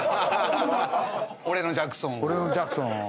俺のジャクソンを。